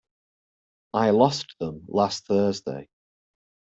I lost them last Thursday.